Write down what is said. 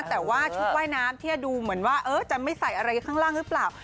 แต่ว่าชุดว่ายน้ำที่จะดูเหมือนว่าจะไม่ใส่อะไรข้างล่างหรือเปล่า